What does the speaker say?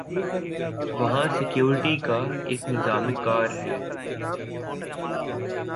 وہاں سکیورٹی کا ایک نظام کار ہے۔